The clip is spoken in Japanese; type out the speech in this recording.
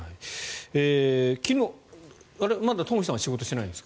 昨日まだ東輝さんは仕事してないんですか？